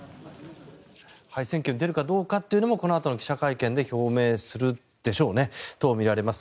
選挙に出るかどうかというのもこのあとの記者会見で表明するとみられます。